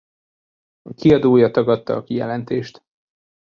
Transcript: A kiadója tagadta a kijelentést.